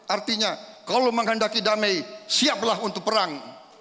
artinya kalau menghendaki damai siap lah untuk perang